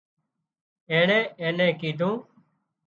اينڻيئي اين نين ڪيڌُون